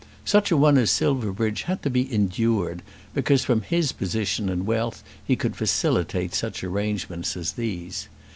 Such a one as Silverbridge had to be endured because from his position and wealth he could facilitate such arrangements as these.